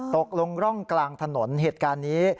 ตกลงร่องกลางถนนเหตุการณ์นี้